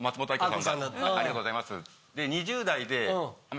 「ありがとうございます」。